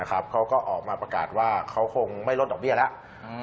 เขาก็ออกมาประกาศว่าเขาคงไม่ลดดอกเบี้ยแล้ว